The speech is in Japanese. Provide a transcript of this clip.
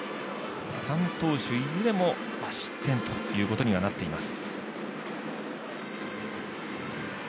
３投手、いずれも失点ということにはなっています。